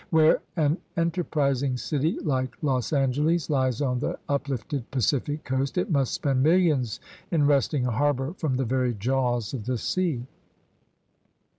Where an enterprising city Hke Los Angeles lies on the uplifted Pacific coast, it must spend millions in wresting a harbor from the very jaws of the sea.